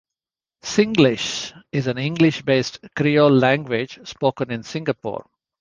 Singlish is an English-based creole language spoken in Singapore.